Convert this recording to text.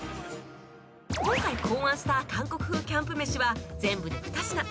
今回考案した韓国風キャンプ飯は全部で２品